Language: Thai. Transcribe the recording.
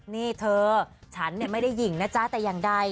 นี่เธอฉันไม่ได้หญิงนะจ๊ะแต่อย่างใด